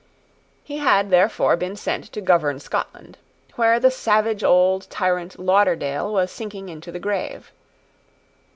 He had therefore been sent to govern Scotland, where the savage old tyrant Lauderdale was sinking into the grave.